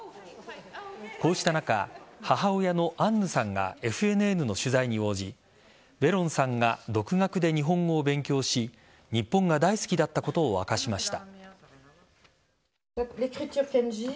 こうした中、母親のアンヌさんがＦＮＮの取材に応じベロンさんが独学で日本語を勉強し日本が大好きだったことを明かしました。